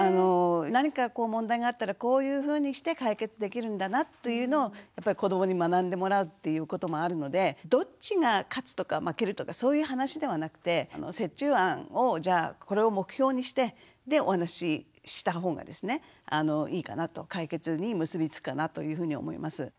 何か問題があったらこういうふうにして解決できるんだなというのを子どもに学んでもらうっていうこともあるのでどっちが勝つとか負けるとかそういう話ではなくて折衷案をじゃあこれを目標にしてでお話しした方がですねいいかなと解決に結び付くかなというふうに思います。